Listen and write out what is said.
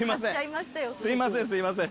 すいませんすいません。